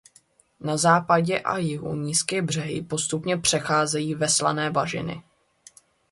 Na západě a jihu nízké břehy postupně přecházejí ve slané bažiny.